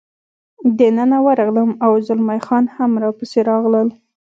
دننه ورغلم، او زلمی خان هم را پسې راغلل.